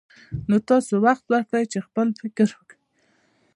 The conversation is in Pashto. نو تاسې وخت ورکړئ چې خپل فکر وکړي.